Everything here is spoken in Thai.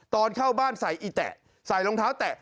ตอนเข้าบ้านใส่อีแตะใส่รองเท้าแตะ